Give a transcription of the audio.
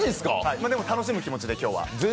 でも、楽しむ気持で今日は。